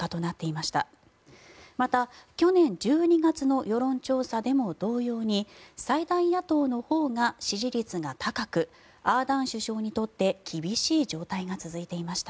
また去年１２月の世論調査でも同様に最大野党のほうが支持率が高くアーダーン首相にとって厳しい状態が続いていました。